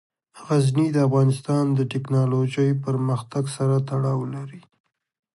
غزني د افغانستان د تکنالوژۍ پرمختګ سره تړاو لري.